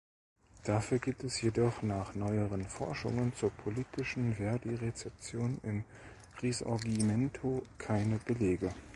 Dafür gibt es jedoch nach neueren Forschungen zur politischen Verdi-Rezeption im Risorgimento keine Belege.